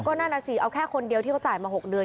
นั่นน่ะสิเอาแค่คนเดียวที่เขาจ่ายมา๖เดือน